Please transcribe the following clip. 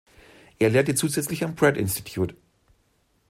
Er lehrte zusätzlich am Pratt Institute.